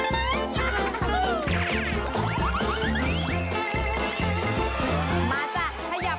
ชั่วตะล้นตะลัน